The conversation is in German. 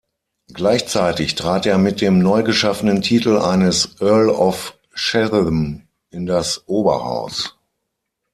Gleichzeitig trat er mit dem neugeschaffenen Titel eines "Earl of Chatham" in das Oberhaus.